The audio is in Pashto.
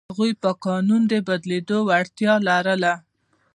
هغوی په قانون د بدلېدو وړتیا لرله.